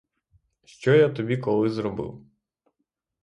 Що я тобі коли зробив?